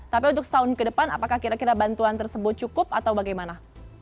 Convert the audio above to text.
tapi untuk setahun ke depan apakah kira kira bantuan tersebut cukup atau bagaimana